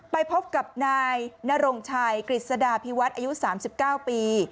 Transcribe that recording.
ไปพบกับนายนรงชัยกฤษฎาพิวัฒน์อายุ๓๙ปี